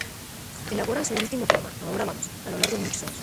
Elabora su último poema, "Ahora vamos" a lo largo de muchos años.